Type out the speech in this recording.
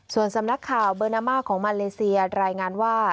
ส่วนสำนักข่าวเบอร์นามาของมาเลเซียรายงานว่า